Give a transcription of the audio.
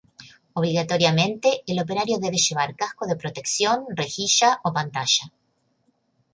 Obligatoriamente, el operario debe llevar casco de protección, rejilla o pantalla.